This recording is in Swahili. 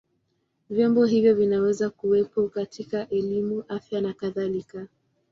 Vyombo hivyo vinaweza kuwepo katika elimu, afya na kadhalika.